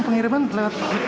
pengiriman lewat wu iya